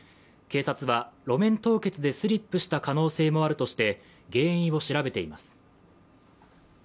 警察は路面凍結でスリップした可能性もあるとして原因を調べています。